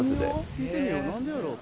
聞いてみよう何でやろう？